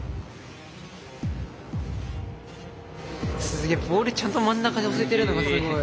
すげえボールちゃんと真ん中に押せてるのがすごい。